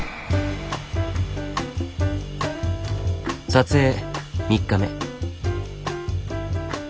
撮影３日目。